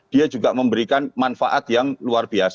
dia juga memberikan manfaat yang cukup besar